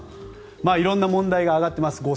色んな問題が上がっています。